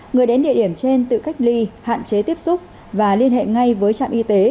người đến địa điểm trên tự cách ly hạn chế tiếp xúc và liên hệ ngay với trạm y tế